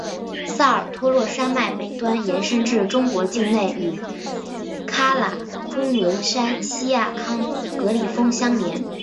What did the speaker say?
萨尔托洛山脉北端延伸至中国境内与喀喇昆仑山锡亚康戈里峰相连。